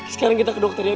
sekarang kita ke dokter ya